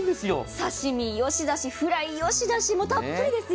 刺身よしだし、フライよしだし、たっぷりですよ。